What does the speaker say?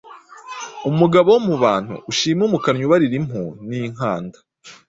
Umugabo wo mu bantu ushime umukannyi ubarira impu n’inkanda,